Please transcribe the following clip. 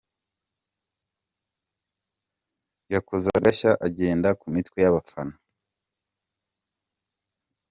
Yakoze agashya agenda ku mitwe y’abafana.